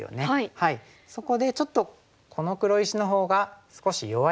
そこでちょっとこの黒石のほうが少し弱い。